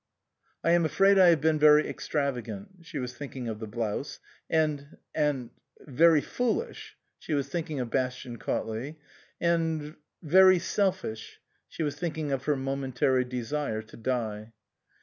" I am afraid I have been very extravagant " she was thinking of the blouse " and and very foolish" she was thinking of Bastian Cautley " and very selfish " she was thinking of her momentary desire to die.